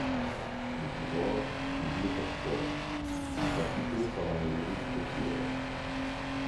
Le pouvoir poursuivit Rochefort, qui fut acquitté par un jury populaire.